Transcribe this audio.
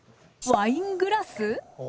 ワイングラス？